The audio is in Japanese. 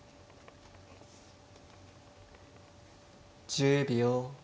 １０秒。